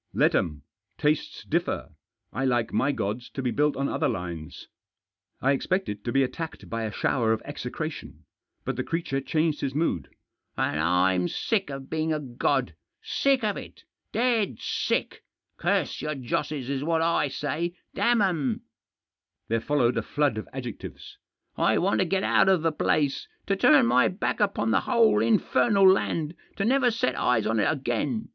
" Let 'em. Tastes differ. I like my gods to be built on other lines." I expected to be attacked by a shower of execra tion. But the creature changed his mood. "And I'm sick of being a god — sick of it — dead sick ! Curse your josses, is what I say — damn 'em !" There followed a flood of adjectives. " I want to get out of the place, to turn my back upon the whole infernal land, to never set eyes on it again.